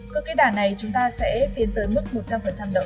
cơ kế đả này chúng ta sẽ tiến tới mức một trăm linh đậu đại học